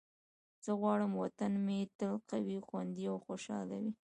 زه غواړم وطن مې تل قوي، خوندي او خوشحال وي.